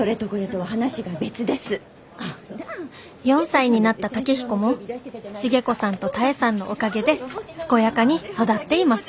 「４歳になった健彦も重子さんと多江さんのおかげで健やかに育っています」。